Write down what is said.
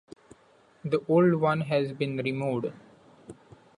The old one has been removed.